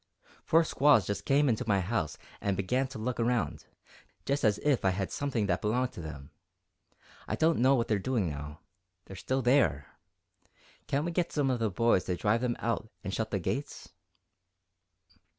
Four squaws just came into my house and began to look around, just as if I had something that belonged to them. I don't know what they're doing now they're still there. Can't we get some of the boys to drive them out and shut the gates?"